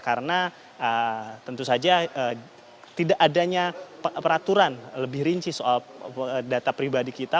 karena tentu saja tidak adanya peraturan lebih rinci soal data pribadi kita